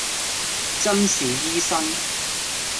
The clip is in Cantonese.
眞是醫生，